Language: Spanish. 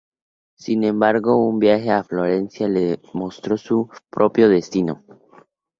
Sin embargo, un viaje a Florencia le mostró su propio destino.